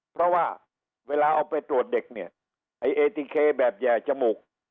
เพราะว่าเวลาเอาไปตรวจเด็กเนี่ยไอ้เอทีเคแบบแหย่จมูก